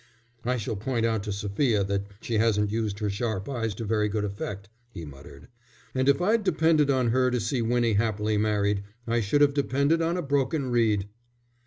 "I shall point out to Sophia that she hasn't used her sharp eyes to very good effect," he muttered. "And if I'd depended on her to see Winnie happily married, I should have depended on a broken reed."